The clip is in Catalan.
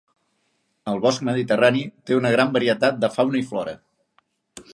El bosc mediterrani té una gran varietat de fauna i flora.